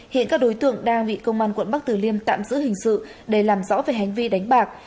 hiện các đối tượng đang bị công an quận bắc tử liêm tạm giữ hình sự để làm rõ về hành vi đánh bạc